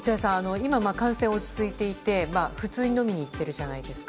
今は感染が落ち着いていて普通に飲みに行っているじゃないですか。